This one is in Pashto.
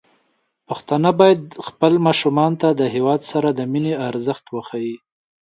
پښتانه بايد خپل ماشومان ته د هيواد سره د مينې ارزښت وښيي.